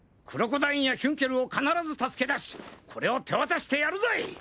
クロコダインやヒュンケルを必ず助け出しこれを手渡してやるぞい！